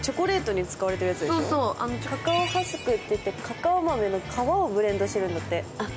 カカオハスクっていって、カカオ豆の皮をブレンドしてるんだって。